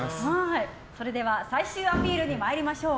それでは最終アピールに参りましょう。